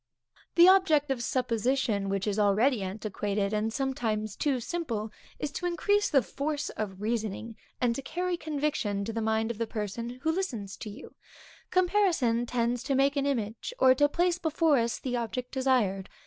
The object of supposition, which is already antiquated, and sometimes too simple, is to increase the force of reasoning, and to carry conviction to the mind of the person who listens to you; comparison tends to make an image, or to place before us the object described.